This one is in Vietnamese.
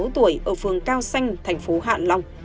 năm mươi sáu tuổi ở phường cao xanh thành phố hạn long